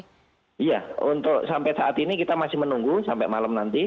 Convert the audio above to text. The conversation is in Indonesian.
iya untuk sampai saat ini kita masih menunggu sampai malam nanti